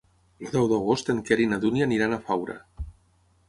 El deu d'agost en Quer i na Dúnia aniran a Faura.